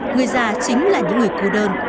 người già chính là những người cô đơn